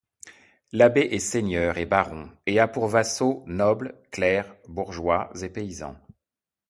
L'abbé est seigneur et baron et a pour vassaux: nobles, clercs, bourgeois et paysans.